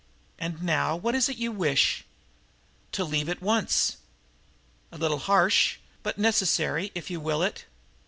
And now, what is it you wish?" "To leave at once." "A little harsh, but necessary, if you will it.